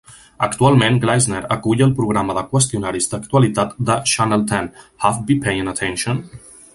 Actualment Gleisner acull el programa de qüestionaris d'actualitat de Channel Ten "Have Be Paying Attention?".